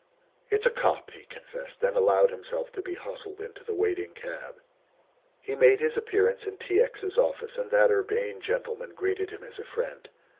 "It's a cop," he confessed, and allowed himself to be hustled into the waiting cab. He made his appearance in T. X.'s office and that urbane gentleman greeted him as a friend.